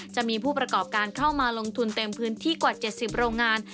จะมีผู้ประกอบการเข้ามาลงทุนเต็มพื้นที่กว่า๗๐โรงงาน